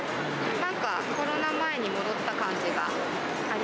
なんかコロナ前に戻った感じ